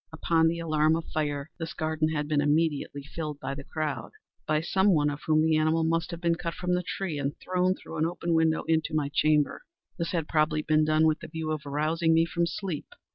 Upon the alarm of fire, this garden had been immediately filled by the crowd—by some one of whom the animal must have been cut from the tree and thrown, through an open window, into my chamber. This had probably been done with the view of arousing me from sleep.